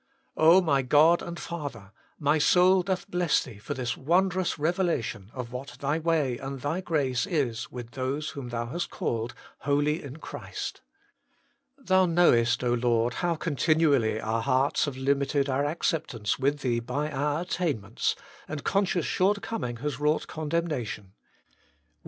O my God and Father ! my soul doth bless Thee for this wondrous revelation of what Thy way and Thy grace is with those whom Thou hast called ' Holy in Christ.' Thou knowest, Lord, how continually our hearts have limited our acceptance with Thee by our attainments, and conscious short coming has wrought condemnation.